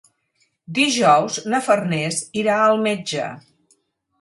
Dijous na Farners irà al metge.